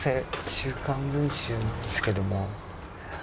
「週刊文集」なんですけども。